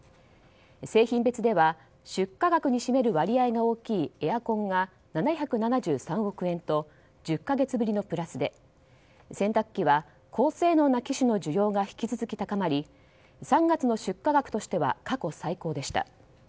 製品別では出荷額に占める割合が大きいエアコンが７７３億円と１０か月ぶりのプラスで洗濯機は高性能な機種の需要が引き続き高まり３月の出荷額としては過去最高でした。